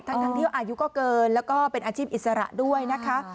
ทั้งที่อายุก็เกินแล้วก็เป็นอาชีพอิสระด้วยนะคะ